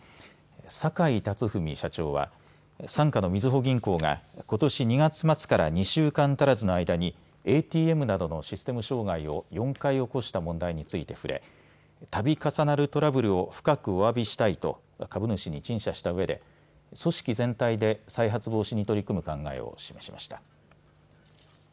坂井辰史社長は傘下のみずほ銀行がことし２月末から２週間足らずの間にＡＴＭなどのシステム障害を４回起こした問題について触れたび重なるトラブルを深くおわびしたいと株主に陳謝したうえで組織全体で再発防止に取り組む考えを示しました。